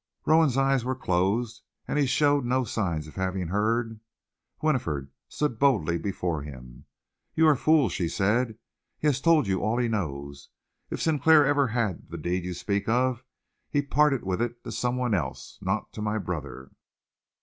Rowan's eyes were closed, and he showed no sign of having heard. Winifred stood up boldly before him. "You are fools!" she said. "He has told you all he knows. If Sinclair ever had the deed you speak of, he parted with it to someone else, not to my brother."